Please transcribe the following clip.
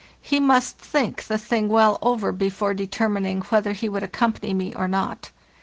He must think the thing well over before determining whether he would accompany me or not.